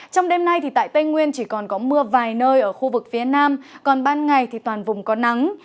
trong đêm nay tại tây nguyên chỉ còn có mưa vài nơi ở khu vực phía nam còn ban ngày thì toàn vùng có nắng